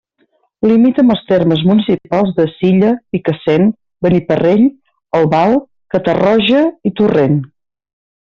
Limita amb els termes municipals de Silla, Picassent, Beniparrell, Albal, Catarroja i Torrent.